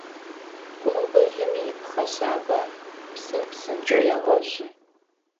Къумбылым ипхъэ шъабэ, псым псынкӏэу егъэшъу.